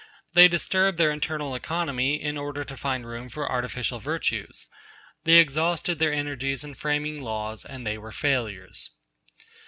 They disturbed their internal economy in order to find room for artificial virtues. They exhausted their energies in framing laws, and they were failures.'